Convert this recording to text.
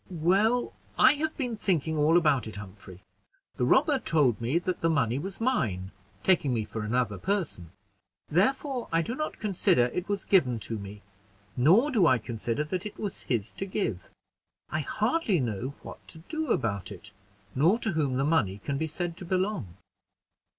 "Well, I have been thinking all about it, Humphrey. The robber told me that the money was mine, taking me for another person; therefore I do not consider it was given to me, nor do I consider that it was his to give. I hardly know what to do about it, nor to whom the money can be said to belong."